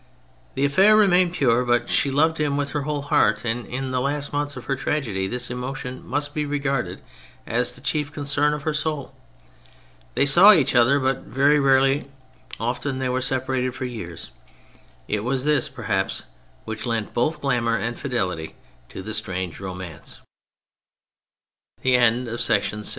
The affair remained pure, but she loved him with her whole heart, and in the last months of her tragedy this emotion must be regarded as the chief concern of her soul. They saw each other but very rarely, often they were separated for years ; it was this, perhaps, which lent both gla